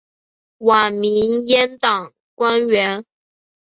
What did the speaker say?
晚明阉党官员。